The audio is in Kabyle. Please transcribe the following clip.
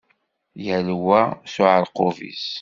Yal wa s uεerqub-is.